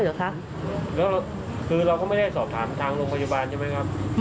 เหรอคะแล้วคือเราก็ไม่ได้สอบถามทางโรงพยาบาลใช่ไหมครับ